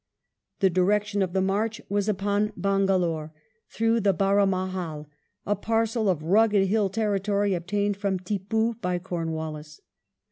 The direction of the march was upon Bangalore through the Baramahal — a parcel of rugged hill territory obtained from Tippoo by Comwallis.